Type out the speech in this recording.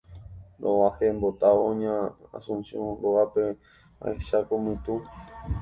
Rog̃uahẽmbotávo ña Anunciación rógape ahecháko mytũ